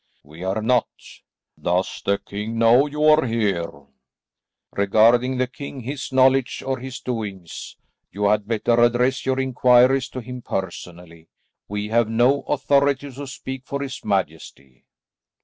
"We are not." "Does the king know you are here?" "Regarding the king, his knowledge or his doings, you had better address your inquiries to him personally. We have no authority to speak for his majesty."